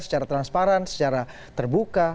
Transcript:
secara transparan secara terbuka